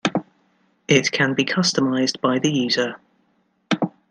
It can be customized by the user.